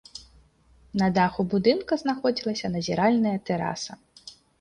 На даху будынка знаходзілася назіральная тэраса.